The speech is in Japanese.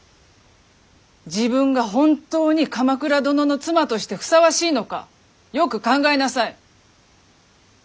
自分が本当に鎌倉殿の妻としてふさわしいのかよく考えなさい。